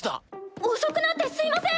遅くなってすいません！